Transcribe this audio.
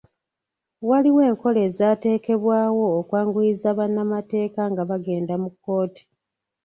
Waliwo enkola ezaatekebwawo okwanguyiza bannamateeka nga bagenda mu kkooti.